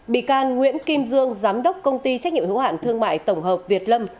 bị can nguyễn kim dương giám đốc công ty trách nhiệm hữu hạn thương mại tổng hợp việt lâm